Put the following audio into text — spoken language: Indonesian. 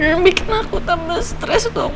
ini yang bikin aku tambah stres dong pak